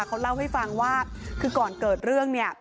เขาเล่าให้ฟังว่าคือก่อนเกิดเรื่องเนี่ย